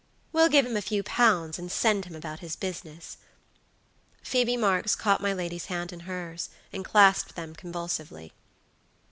We'll give him a few pounds and send him about his business." Phoebe Marks caught my lady's hand in hers, and clasped them convulsively.